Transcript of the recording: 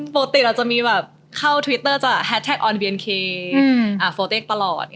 ปกติเราจะมีแบบเข้าทวิตเตอร์จะแฮชแท็กออนเวียนเคโฟเต็กตลอด